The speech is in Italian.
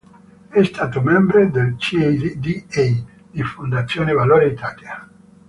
È stato membro del CdA di Fondazione Valore Italia.